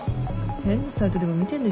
変なサイトでも見てんでしょ？